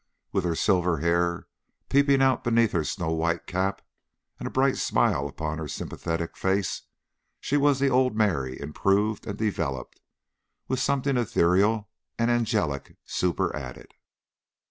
With her silvery hair peeping out beneath her snow white cap, and a bright smile upon her sympathetic face, she was the old Mary improved and developed, with something ethereal and angelic superadded.